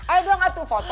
aduh atuh foto